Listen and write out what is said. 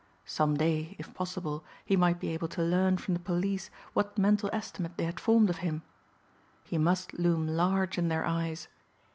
Some day, if possible, he might be able to learn from the police what mental estimate they had formed of him. He must loom large in their eyes.